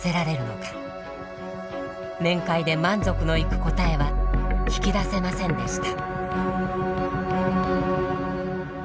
面会で満足のいく答えは引き出せませんでした。